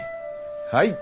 はい。